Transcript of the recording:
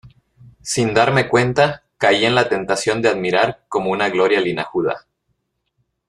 sin darme cuenta caí en la tentación de admirar como una gloria linajuda